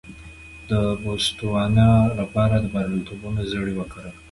د بوتسوانا لپاره د بریالیتوبونو زړي وکرل.